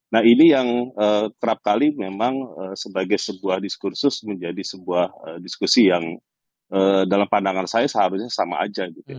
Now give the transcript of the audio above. nah ini yang kerap kali memang sebagai sebuah diskursus menjadi sebuah diskusi yang dalam pandangan saya seharusnya sama aja gitu ya